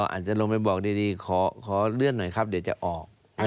อาจจะลงไปบอกดีขอเลื่อนหน่อยครับเดี๋ยวจะออก